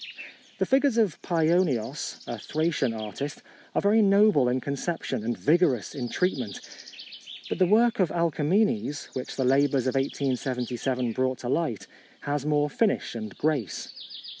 The figures of Paionios, a Thracian artist, are very noble in conception and vigorous in treatment ; but the work of Alkamenes, which the labours of 1877 brought to light, has more finish and grace.